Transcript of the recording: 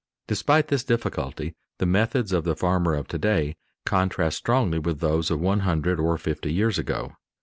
Despite this difficulty the methods of the farmer of to day contrast strongly with those of one hundred or fifty years ago.